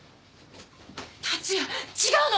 達也違うの！